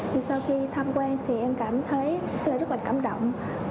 thì sau khi tham quan thì em cảm thấy rất là cảm động